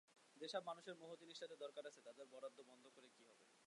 যে-সব মানুষের মোহ জিনিসটাতে দরকার আছে তাদের বরাদ্দ বন্ধ করে কী হবে?